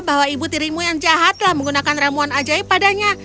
bahwa ibu tirimu yang jahatlah menggunakan ramuan ajaib padanya